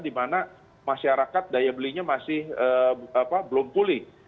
di mana masyarakat daya belinya masih belum pulih